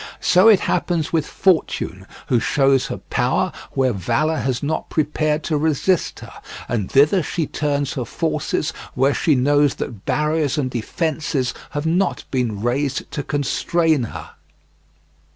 So it happens with fortune, who shows her power where valour has not prepared to resist her, and thither she turns her forces where she knows that barriers and defences have not been raised to constrain her.